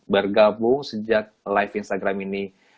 bergabung sejak live instagram ini